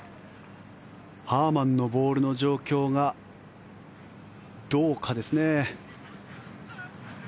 ハーマンのボールの状況がどうかですね。